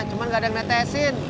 cuma nggak ada yang netesin